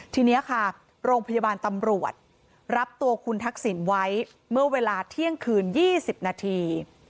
ทีนี้ค่ะโรงพยาบาลตำรวจรับตัวคุณทักษิณไว้เมื่อเวลาเที่ยงคืน๒๐นาที